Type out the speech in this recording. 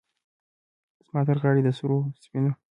زما ترغاړې د سرو، سپینو،